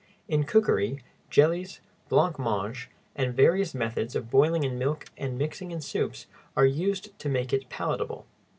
In cookery, jellies, blanc mange, and various methods of boiling in milk and mixing in soups are used to make it palatable.